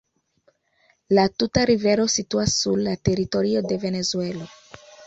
La tuta rivero situas sur la teritorio de Venezuelo.